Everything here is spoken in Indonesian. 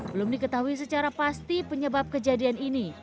belum diketahui secara pasti penyebab kejadian ini